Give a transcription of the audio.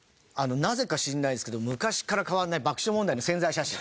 なぜか知らないですけど昔から変わらない爆笑問題の宣材写真。